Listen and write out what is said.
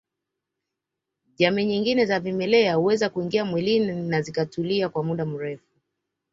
Jamii nyingine za vimelea huweza kuingia mwili na zikatulia kwa muda mrefu